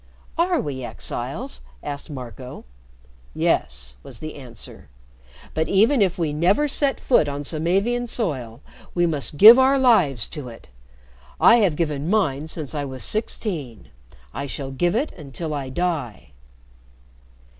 "Are we exiles?" asked Marco. "Yes," was the answer. "But even if we never set foot on Samavian soil, we must give our lives to it. I have given mine since I was sixteen. I shall give it until I die."